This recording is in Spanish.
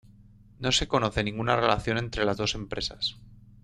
No se conoce ninguna relación entre las dos empresas.